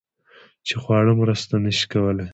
چې خواړه مرسته نشي کولی